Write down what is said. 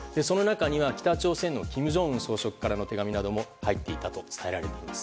その中には北朝鮮の金正恩総書記からの手紙なども入っていたと伝えられています。